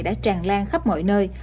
đã tràn lan khắp mọi nơi